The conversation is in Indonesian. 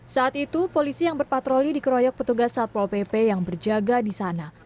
saat itu polisi yang berpatroli dikeroyok petugas satpol pp yang berjaga di sana